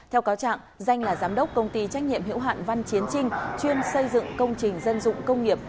theo cáo trạng danh là giám đốc công ty trách nhiệm hiệu hạn văn chiến trinh chuyên xây dựng công trình dân dụng công nghiệp